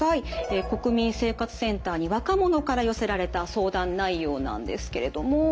国民生活センターに若者から寄せられた相談内容なんですけれども。